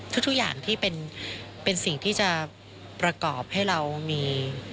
ทุกอย่างที่เป็นสิ่งที่จะประกอบให้เรามี